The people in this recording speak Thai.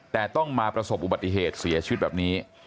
แต่ต้องมาประสบอุบัติเหตุเสียชีวิตแบบนี้